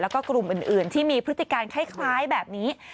แล้วก็กลุ่มอื่นที่มีพฤติการคล้ายแบบนี้